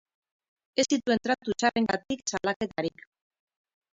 Ez zituen tratu txarrengatik salaketarik.